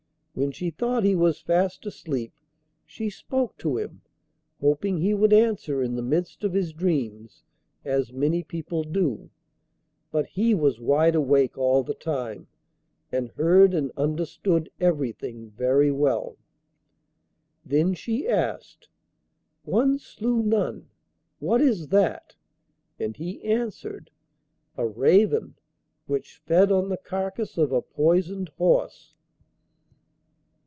When she thought he was fast asleep, she spoke to him, hoping he would answer in the midst of his dreams, as many people do; but he was wide awake all the time, and heard and understood everything very well. Then she asked: 'One slew none what is that?' and he answered: 'A raven which fed on the carcase of a poisoned horse.